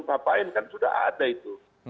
ngapain kan sudah ada itu